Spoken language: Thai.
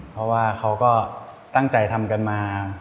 เพราะว่าเขาก็ตั้งใจทำกันมา